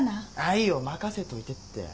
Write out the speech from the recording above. いいよ任せといてって。